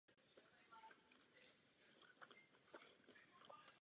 V hlavním městě Ruska se i vinou zranění neprosadil.